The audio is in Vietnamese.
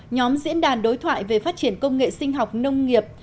nhóm diễn đàn đối thoại về phát triển công nghệ sinh học nông nghiệp